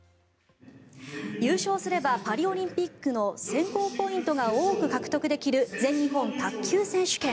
優勝すればパリオリンピックの選考ポイントが多く獲得できる全日本卓球選手権。